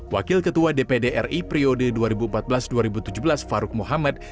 wakil ketua dpr ri priode dua ribu empat belas dua ribu tujuh belas farouk mohamad